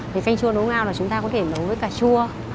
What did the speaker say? cái canh chua nấu ngao là chúng ta có thể nấu với cà chua